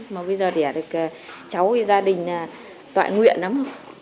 mà bây giờ đẻ được cháu với gia đình tọa nguyện lắm